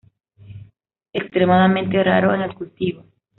Extremadamente raro en el cultivo.